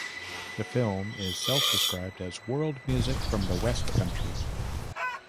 The film is self-described as "world music from the West Country".